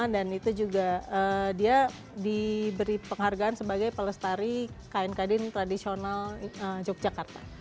itu juga dia diberi penghargaan sebagai pelestari kain kadin tradisional yogyakarta